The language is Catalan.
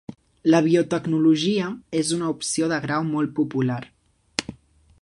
La biotecnologia és una opció de grau molt popular